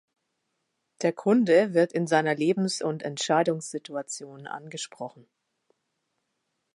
Der Kunde wird in seiner Lebens- und Entscheidungssituation angesprochen.